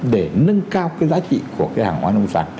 để nâng cao cái giá trị của cái hàng hóa